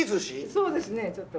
そうですねちょっと。